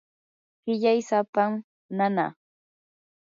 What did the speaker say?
qillay sapam nanaa.